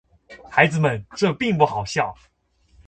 孩子们，这并不好笑。